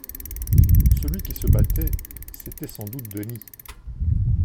Celui qui se battait, c’était sans doute Denis.